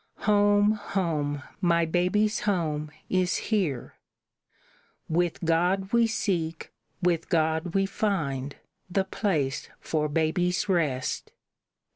"Home, home, my baby's home is here; With God we seek, with God we find the place for baby's rest.